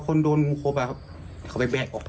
ผมถูกว่าคู่ห้องนอนค่ะ